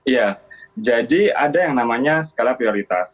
ya jadi ada yang namanya skala prioritas